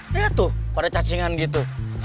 lihat tuh pada cacingan gitu